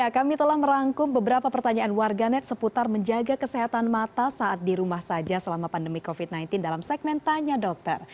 kami telah merangkum beberapa pertanyaan warganet seputar menjaga kesehatan mata saat di rumah saja selama pandemi covid sembilan belas dalam segmen tanya dokter